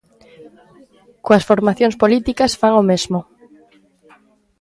Coas formacións políticas fan o mesmo.